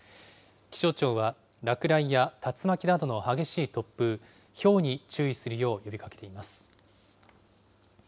気象庁は落雷や竜巻などの激しい突風、ひょうに注意するよう呼びかけています。